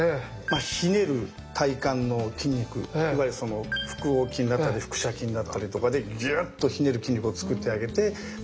ひねる体幹の筋肉いわゆる腹横筋だったり腹斜筋だったりとかでギュッとひねる筋肉を作ってあげてそこでストップ筋ですね。